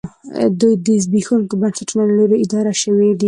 دوی د زبېښونکو بنسټونو له لوري اداره شوې دي